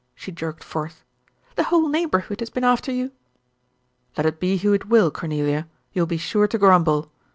she jerked forth. "The whole neighborhood has been after you." "Let it be who it will, Cornelia, you will be sure to grumble.